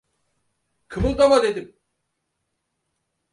Kımıldama dedim!